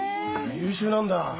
優秀なんだ。